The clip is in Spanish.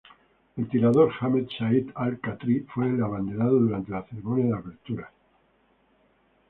El tirador Hamed Said Al-Khatri fue el abanderado durante la ceremonia de apertura.